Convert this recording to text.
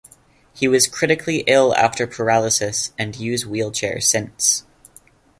He was critically ill after paralysis and use wheelchair since.